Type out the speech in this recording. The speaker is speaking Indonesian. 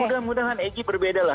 mudah mudahan egy berbeda lah